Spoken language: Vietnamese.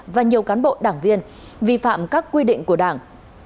và nhiều cán bộ đảng viên vi phạm các quy định của đảng